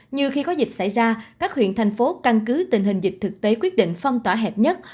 như khi có dịch xảy ra các huyện thành phố căn cứ tình hình dịch thực tế quyết định phong tỏa hẹp nhất